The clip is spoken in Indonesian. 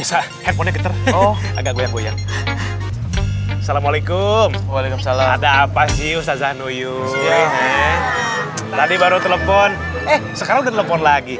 assalamualaikum ada apa sih ustadz anuyun tadi baru telepon eh sekarang telepon lagi kalau kangen udah bilang aja keles kalau kangen udah bilang aja keles